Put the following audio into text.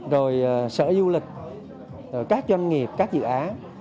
rồi sở du lịch các doanh nghiệp các dự án